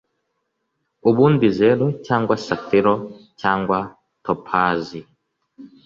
ubundi zeru, cyangwa safiro cyangwa topazi